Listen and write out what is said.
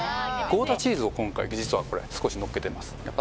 ゴーダチーズを今回実はこれ少しのっけてます